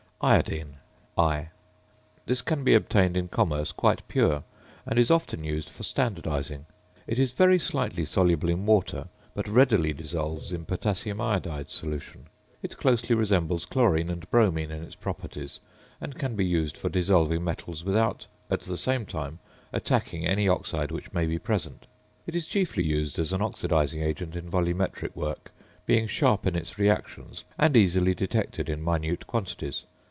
~Iodine, I.~ This can be obtained in commerce quite pure, and is often used for standardising. It is very slightly soluble in water, but readily dissolves in potassium iodide solution. It closely resembles chlorine and bromine in its properties, and can be used for dissolving metals without, at the same time, attacking any oxide which may be present. It is chiefly used as an oxidizing agent in volumetric work, being sharp in its reactions and easily detected in minute quantities.